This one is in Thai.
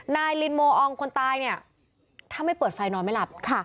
ลินโมอองคนตายเนี่ยถ้าไม่เปิดไฟนอนไม่หลับ